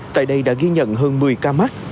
tại đây đã ghi nhận hơn một mươi ca mắc